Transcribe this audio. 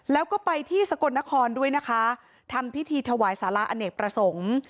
แล้วก็ไปที่สกลนครด้วยนะคะทำพิธีถวายสารอเนกประสงค์